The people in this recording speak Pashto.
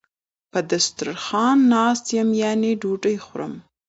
په دسترخان ناست یم یعنی ډوډی خورم